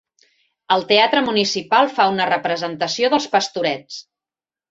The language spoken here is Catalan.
El Teatre Municipal fa una representació dels Pastorets.